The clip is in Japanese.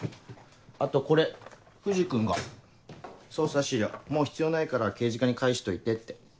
あとこれ藤君が捜査資料もう必要ないから刑事課に返しといてって。